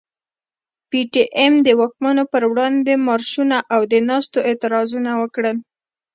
پي ټي ايم د واکمنو پر وړاندي مارشونه او د ناستو اعتراضونه وکړل.